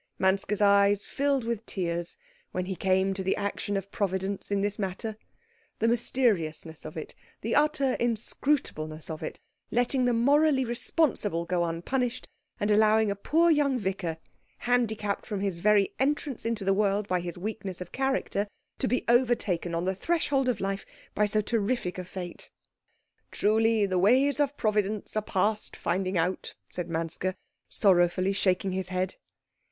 Manske's eyes filled with tears when he came to the action of Providence in this matter the mysteriousness of it, the utter inscrutableness of it, letting the morally responsible go unpunished, and allowing the poor young vicar, handicapped from his very entrance into the world by his weakness of character, to be overtaken on the threshold of life by so terrific a fate. "Truly the ways of Providence are past finding out," said Manske, sorrowfully shaking his head.